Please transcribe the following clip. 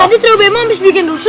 tadi trio bemo habis bikin rusut